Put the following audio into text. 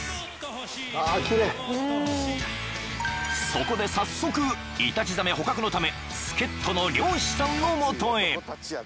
［そこで早速イタチザメ捕獲のため助っ人の漁師さんの元へ］